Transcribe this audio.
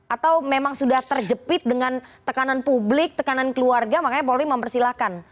atau memang sudah terjepit dengan tekanan publik tekanan keluarga makanya polri mempersilahkan